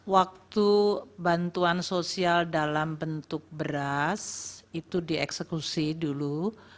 waktu bantuan sosial dalam bentuk beras itu dieksekusi dulu